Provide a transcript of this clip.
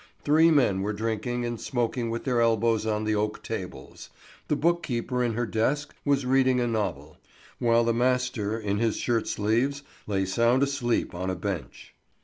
Three men were drinking and smoking with their elbows on the oak tables; the book keeper in her desk was reading a novel, while the master, in his shirt sleeves, lay sound asleep on a bench.